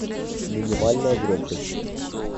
Минимальная громкость